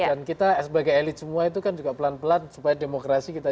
dan kita sebagai elit semua itu kan juga pelan pelan supaya demokrasi kita juga jauh